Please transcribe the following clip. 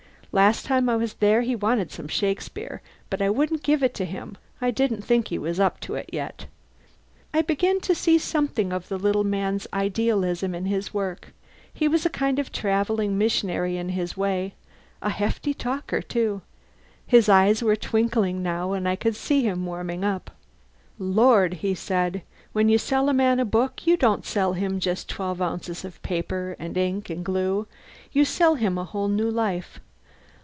Last time I was there he wanted some Shakespeare, but I wouldn't give it to him. I didn't think he was up to it yet." I began to see something of the little man's idealism in his work. He was a kind of traveling missionary in his way. A hefty talker, too. His eyes were twinkling now and I could see him warming up. "Lord!" he said, "when you sell a man a book you don't sell him just twelve ounces of paper and ink and glue you sell him a whole new life.